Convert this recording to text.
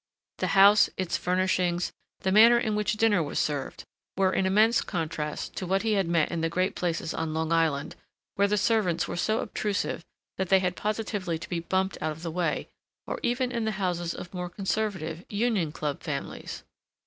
The house, its furnishings, the manner in which dinner was served, were in immense contrast to what he had met in the great places on Long Island, where the servants were so obtrusive that they had positively to be bumped out of the way, or even in the houses of more conservative "Union Club" families.